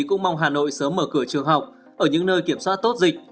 cũng mong hà nội sớm mở cửa trường học ở những nơi kiểm soát tốt dịch